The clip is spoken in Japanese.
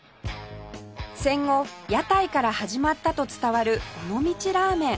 戦後屋台から始まったと伝わる尾道ラーメン